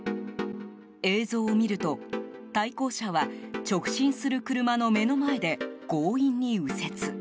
映像を見ると、対向車は直進する車の目の前で強引に右折。